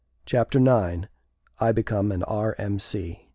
Chapter Nine I Become an R. M.